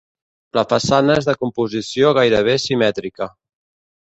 La façana és de composició gairebé simètrica.